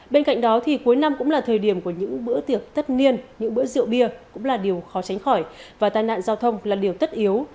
bên cạnh đó thì cuối năm cũng là thời điểm của những bữa tiệc tất niên những bữa rượu bia cũng là điều khó tránh khỏi và tai nạn giao thông là điều tất yếu